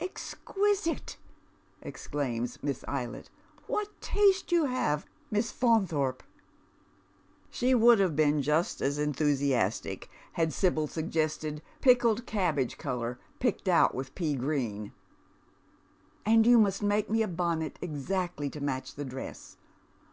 "Exquisite!" exclaims Miss Eyiett; "what taste you have, Miss Faunthorpe !" She would have been just as enthusiastic had Sibyl suggested pickled cabbage colour, picked out with pea gi een. "And you must make me a bonnet exactly to match the dress."